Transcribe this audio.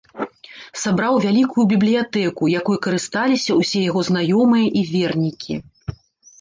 Сабраў вялікую бібліятэку, якой карысталіся ўсе яго знаёмыя і вернікі.